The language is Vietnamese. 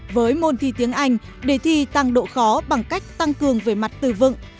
với môn thi tiếng anh đề thi tăng độ khó bằng cách tăng cường về mặt từ vựng